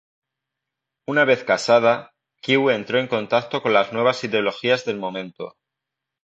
Una vez casada, Qiu entró en contacto con las nuevas ideologías del momento.